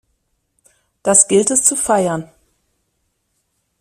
Das gilt es zu feiern!